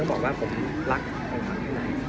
ผมรักแข็งหลักแบบให้ไหน